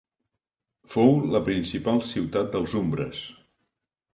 Fou la principal ciutat dels umbres.